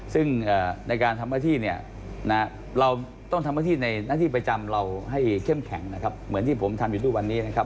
ซึ่งในการทำเวลาเราต้องทำเวลามาเราร่างในหน้าที่ประจำเราให้เข้มไขมันแค่เหมือนที่ทำอยู่ที่ในวันนี้นะครับ